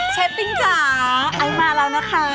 เชฟติ้งจ๋าไอ้มาแล้วนะคะ